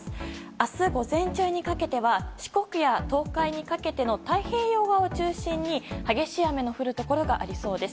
明日午前中にかけては四国や東海にかけての太平洋側を中心に激しい雨の降るところがありそうです。